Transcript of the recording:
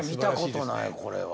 これは。